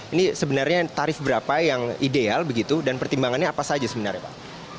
ini sebenarnya tarif berapa yang ideal begitu dan pertimbangannya apa saja sebenarnya pak